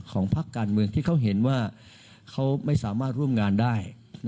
พักการเมืองที่เขาเห็นว่าเขาไม่สามารถร่วมงานได้